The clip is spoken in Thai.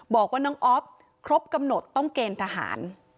บอกว่าน้องอ๊อฟครบกำหนดต้องเกณฑ์ทหาร